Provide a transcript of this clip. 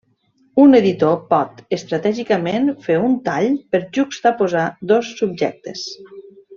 Un editor pot estratègicament fer un tall per juxtaposar dos subjectes.